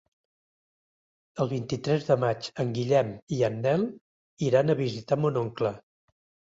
El vint-i-tres de maig en Guillem i en Nel iran a visitar mon oncle.